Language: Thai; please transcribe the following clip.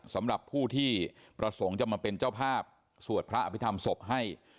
สำหรับผู้ที่ประสงค์จะมาเป็นเจ้าภาพสวดพระอภิษฐรรมศพให้